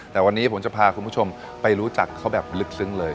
แต่วันนี้ผมจะพาคุณผู้ชมไปรู้จักเขาแบบลึกซึ้งเลย